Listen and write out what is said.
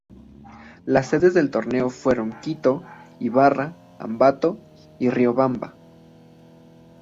Las sedes del torneo fueron Quito, Ibarra, Ambato y Riobamba.